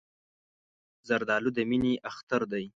زردالو د مینې اختر دی.